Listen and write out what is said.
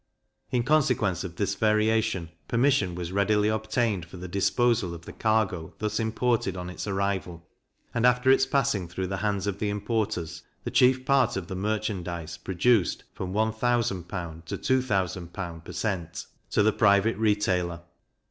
In consequence of this variation, permission was readily obtained for the disposal of the cargo thus imported on its arrival, and after its passing through the hands of the importers, the chief part of the merchandize produced from 1000L. to 2000L. per cent. to the private retailer.